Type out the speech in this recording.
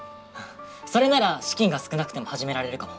それなら資金が少なくても始められるかも。